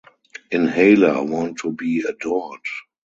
Inhaler want to be adored.